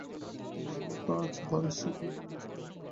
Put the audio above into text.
তোমার মুখ আজ ভারি শুকনো দেখাচ্ছে যে!